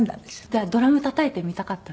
じゃあドラムたたいてみたかったんですね。